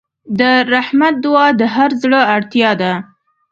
د رحمت دعا د هر زړه اړتیا ده.